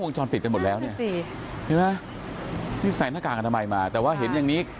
จรปิดกันหมดแล้วเนี่ยเห็นไหมนี่ใส่หน้ากากอนามัยมาแต่ว่าเห็นอย่างนี้